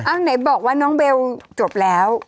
ไหนบอกว่าน้องเบลจบแล้ว